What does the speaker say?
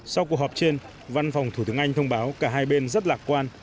sau cuộc họp trên văn phòng thủ tướng anh thông báo cả hai bên rất lạc quan